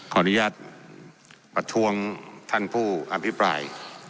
ขออนุญาตประท้วงท่านผู้อภิปราย